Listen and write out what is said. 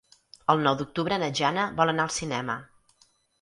El nou d'octubre na Jana vol anar al cinema.